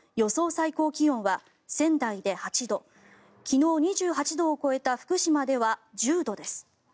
最高気温は仙台で８度昨日、２８度を超えた福島では１０度です。